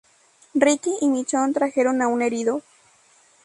Rick y Michonne trajeron a un herido.